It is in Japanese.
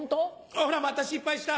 ほらまた失敗した！